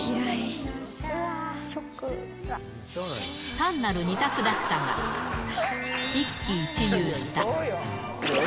単なる２択だったが、一喜一憂した。